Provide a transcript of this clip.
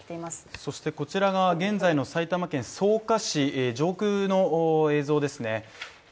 そしてこちらが現在の埼玉県草加市上空の映像ですね。